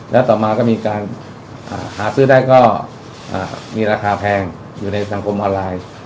แล้วต่อมาก็มีการหาซื้อได้ก็มีราคาแพงอยู่ในสังคมออนไลน์